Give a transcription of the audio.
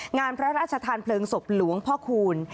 งานพระราชทานเพลิงศพหลวงพ่อคูณ